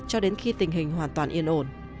cho đến khi tình hình hoàn toàn yên ổn